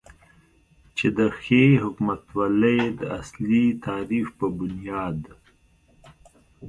چې د ښې حکومتولې داصلي تعریف په بنیاد